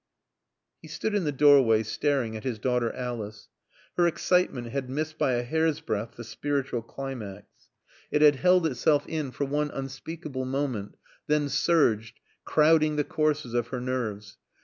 He stood in the doorway staring at his daughter Alice. Her excitement had missed by a hairsbreadth the spiritual climax. It had held itself in for one unspeakable moment, then surged, crowding the courses of her nerves.